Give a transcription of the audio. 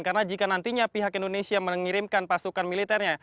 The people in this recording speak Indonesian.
karena jika nantinya pihak indonesia mengirimkan pasukan militernya